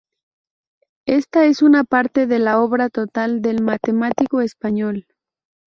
Esta es una parte de la obra total del matemático español.